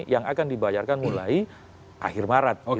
yang akan dibayarkan mulai akhir maret